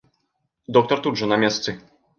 Доктар тут жа, на месцы.